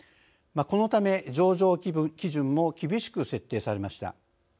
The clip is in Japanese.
このため、上場基準も厳しく設定されました。